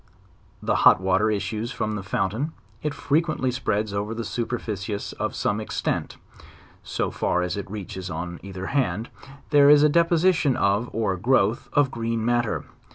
When the hot water issues from the fountain, it frequsntly spreads over a superficious of some extent;. so far as it reaches on. either hand, there is a deposition of, or growth, of green matter.